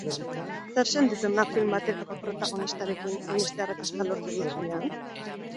Zer sentitzen da film bateko protagonistarekin hainbeste arrakasta lortzen duzunean?